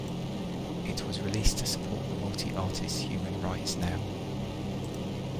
It was released to support the multi-artist Human Rights Now!